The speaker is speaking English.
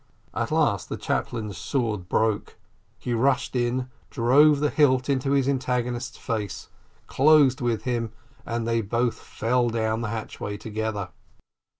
At last, the chaplain's sword broke; he rushed in, drove the hilt into his antagonist's face, closed with him, and they both fell down the hatchway together.